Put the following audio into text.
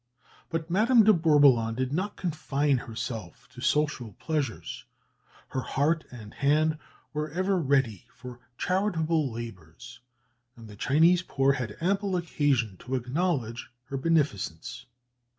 But Madame de Bourboulon did not confine herself to social pleasures; her heart and hand were ever ready for charitable labours, and the Chinese poor had ample occasion to acknowledge her beneficence.